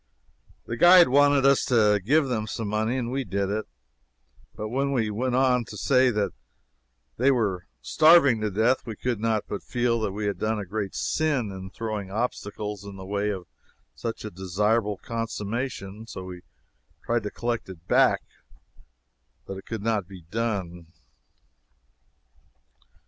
The guide wanted us to give them some money, and we did it; but when he went on to say that they were starving to death we could not but feel that we had done a great sin in throwing obstacles in the way of such a desirable consummation, and so we tried to collect it back, but it could not be done.